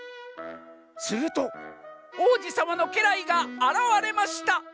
「するとおうじさまのけらいがあらわれました」。